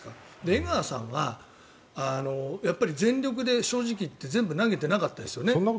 江川さんは全力で正直言って全部投げてなかったですよね？